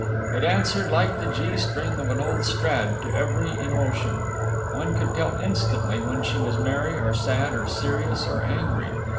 It answered like the G string of an old Strad to every emotion. One could tell instantly when she was merry or sad or serious or angry.